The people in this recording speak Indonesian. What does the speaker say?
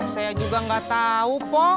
saya juga nggak tau pok